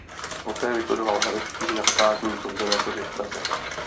Poté vystudoval herectví na Státní konzervatoři v Praze.